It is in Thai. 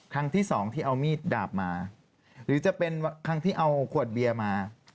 ครั้งที่สองที่เอามีดดาบมาหรือจะเป็นครั้งที่เอาขวดเบียร์มา